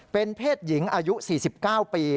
เป็นเพศหญิงอายุ๔๙ปี